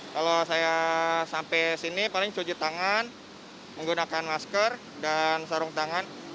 kalau saya sampai sini paling cuci tangan menggunakan masker dan sarung tangan